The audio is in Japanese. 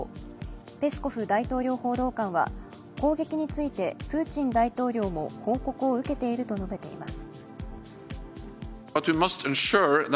ペスコフ大統領報道官は攻撃についてプーチン大統領も報告を受けていると述べています。